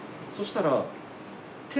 そうしたら。